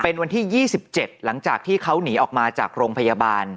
เป็นวันที่๒๗หลังจากที่เขาหนีออกมาจากโรงพยาบาล